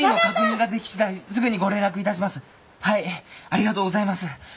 ありがとうございます。